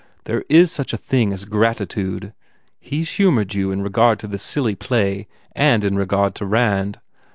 There is such a thing as gratitude. He s humoured you in regard to this silly play and in regard to Rand.